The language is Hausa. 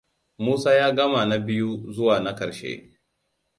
Musa ya gama na biyu zuwa na ƙarshe.